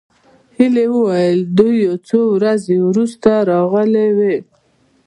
هيلې وویل دوی یو څو ورځې وروسته راغلې وې